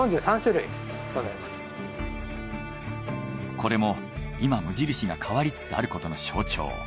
これも今無印が変わりつつあることの象徴。